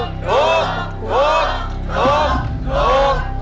ถูก